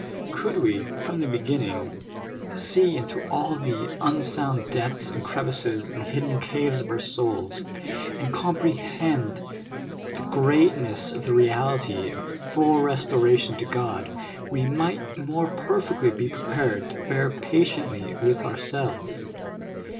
Could we, from the beginning, see into all the unsounded depths and crevices and hidden caves of our souls, and comprehend the greatness of the reality of full restoration to God, we might more perfectly be prepared to bear patiently with ourselves.